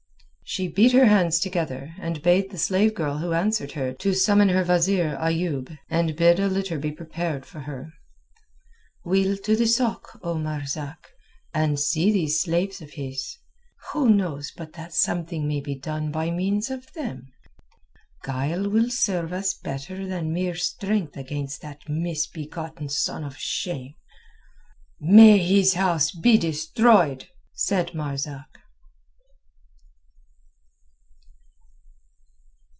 She beat her hands together and bade the slave girl who answered her to summon her wazeer Ayoub, and bid a litter be prepared for her. "We'll to the sôk, O Marzak, and see these slaves of his. Who knows but that something may be done by means of them! Guile will serve us better than mere strength against that misbegotten son of shame." "May his house be destroyed!" said Marzak.